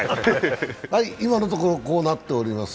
今のところこうなっております。